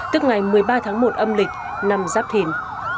tức ngày một mươi ba tháng một âm lịch năm giáp thìn